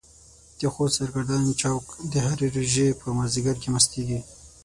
د خوست سرګردان چوک د هرې روژې په مازديګر کې مستيږي.